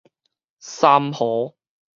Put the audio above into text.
三和